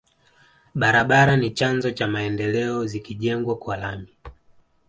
Barabara ni chanzo cha maendeleo zikijengwa kwa lami